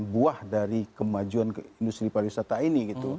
buah dari kemajuan industri pariwisata ini gitu